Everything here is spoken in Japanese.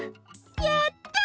やった！